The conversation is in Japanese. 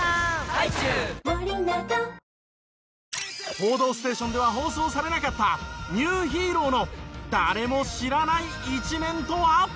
『報道ステーション』では放送されなかったニューヒーローの誰も知らない一面とは？